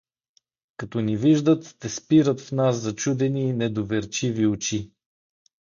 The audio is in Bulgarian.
Като ни виждат те спират в нас зачудени и нодоверчиви очи.